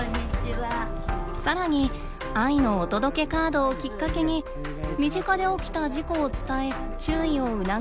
さらに「愛のお届けカード」をきっかけに身近で起きた事故を伝え注意を促すことも。